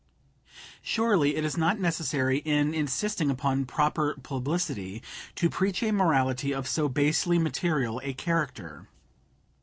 Surely it is not necessary, in insisting upon proper publicity, to preach a morality of so basely material a character.